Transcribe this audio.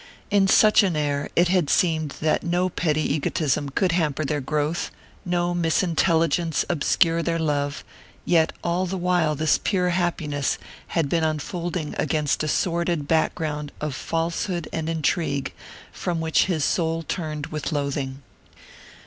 In such an air it had seemed that no petty egotism could hamper their growth, no misintelligence obscure their love; yet all the while this pure happiness had been unfolding against a sordid background of falsehood and intrigue from which his soul turned with loathing.